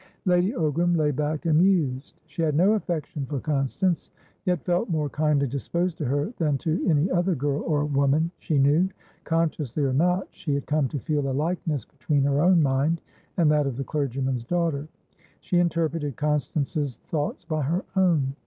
Lady Ogram lay back and mused. She had no affection for Constance, yet felt more kindly disposed to her than to any other girl or woman she knew. Consciously or not, she had come to feel a likeness between her own mind and that of the clergyman's daughter; she interpreted Constance's thoughts by her own.